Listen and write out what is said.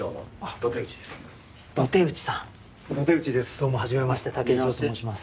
どうもはじめまして武井壮と申します